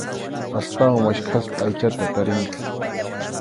Astawan maskhaspa aychata tarinku.